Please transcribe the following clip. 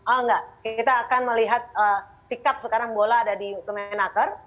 oh nggak kita akan melihat sikap sekarang bola dari kemenaker